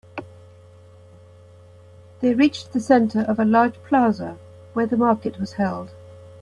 They reached the center of a large plaza where the market was held.